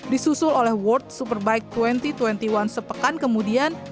disusul oleh world superbike dua ribu dua puluh satu sepekan kemudian